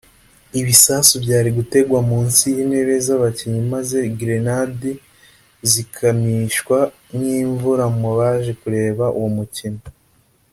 Ibisasu byari gutegwa munsi y’intebe z’abakinnyi maze gerenade zikamishwa nk’imvura mu baje kureba uwo mukino